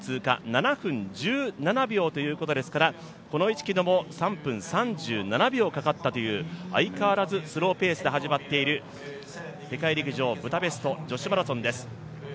７分１７秒ということですからこの１ｋｍも３分３７秒かかったという相変わらず、スローペースで始まっている世界陸上ブダペスト女子マラソンです。